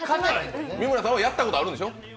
三村さんはやったことあるんでしょ？